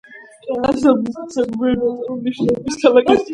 კენას საგუბერნატოროს მნიშვნელოვანი ქალაქებია.